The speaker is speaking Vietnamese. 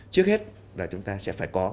trước hết là chúng ta sẽ phải có